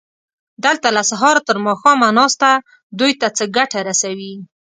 دلته له سهاره تر ماښامه ناسته دوی ته څه ګټه رسوي؟